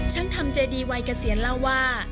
ช่างทำเจดีวัยเกษียณเล่าว่า